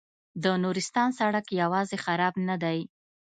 د نورستان سړک یوازې خراب نه دی.